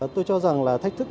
tôi cho rằng là